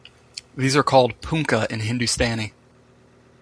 These are called punkah in Hindustani.